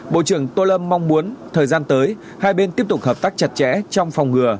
bộ trưởng tô lâm mong muốn thời gian tới hai bên tiếp tục hợp tác chặt chẽ trong phòng ngừa